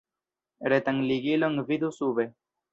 Retan ligilon vidu sube.